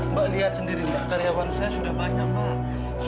mbak lihat sendiri mbak karyawan saya sudah banyak pak